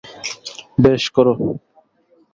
বেশ, কর।